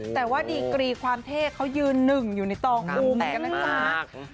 แต่ว่าดีกรีความเท่เขายืนหนึ่งอยู่ในต่อกลุ่มกันนะครับ